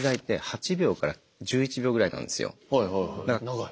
長い。